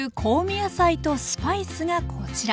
野菜とスパイスがこちら。